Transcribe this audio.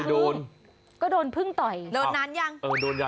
ก็จะไปต่อยมันเนี่ย